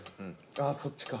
あっそっちか。